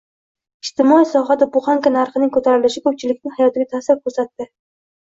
Ijtimoiy sohada "buhanka" narxining ko'tarilishi ko'pchilikning hayotiga ta'sir ko'rsatdi